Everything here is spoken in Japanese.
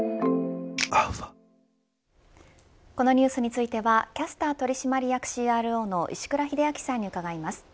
このニュースについてはキャスター取締役ＣＲＯの石倉秀明さんに伺います。